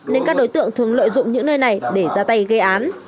nên các đối tượng thường lợi dụng những nơi này để ra tay gây án